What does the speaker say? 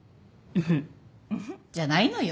ウフッじゃないのよ。